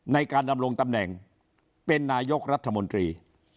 ในการดำรงตำแหน่งเป็นนายกรัฐมนตรี